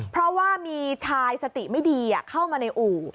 เพราะว่ามีชายสติไม่ดีเข้ามาในอู่